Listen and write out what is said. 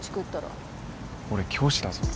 俺教師だぞ。